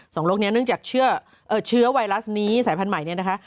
โรคนี้เนื่องจากเชื้อไวรัสนี้สายพันธุ์ใหม่เนี่ยนะคะ